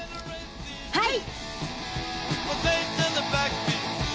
はい！